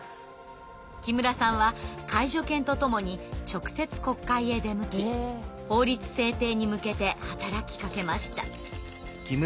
木村さんは介助犬と共に直接国会へ出向き法律制定に向けて働きかけました。